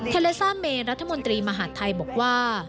เลซ่าเมรัฐมนตรีมหาดไทยบอกว่า